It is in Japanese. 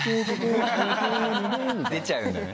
出ちゃうんだね。